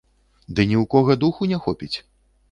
Ды ні ў кога духу не хопіць!